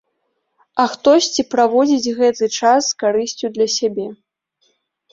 А хтосьці праводзіць гэты час з карысцю для сябе.